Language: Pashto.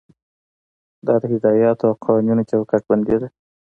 دا د هدایاتو او قوانینو چوکاټ بندي ده.